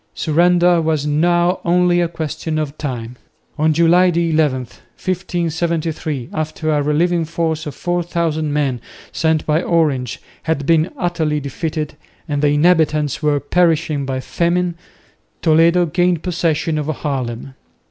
Surrender was now only a question of time. On July 11,1573, after a relieving force of 4000 men, sent by Orange, had been utterly defeated, and the inhabitants were perishing by famine, Toledo gained possession of Haarlem.